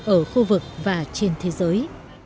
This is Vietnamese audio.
ở khu vực và trên thế giới